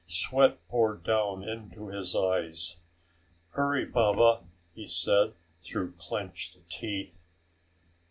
Sweat poured down into his eyes. "Hurry, Baba," he said through clenched teeth.